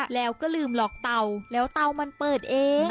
แล้วก็ลืมหลอกเตาแล้วเตามันเปิดเอง